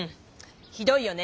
ひどいよね。